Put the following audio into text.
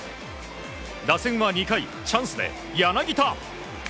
打線は２回チャンスで柳田。